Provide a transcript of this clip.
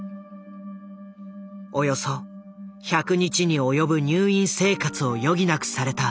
およそ１００日に及ぶ入院生活を余儀なくされた。